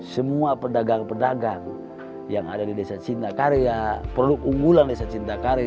semua pedagang pedagang yang ada di desa cinta karya produk unggulan desa cinta karya